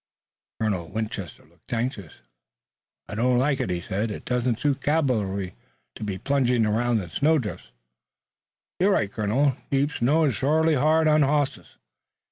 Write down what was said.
Colonel Winchester looked anxious. "I don't like it," he said. "It doesn't suit cavalry to be plunging around in snowdrifts." "You're right, colonel. Deep snow is shorely hard on hosses.